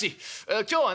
今日はね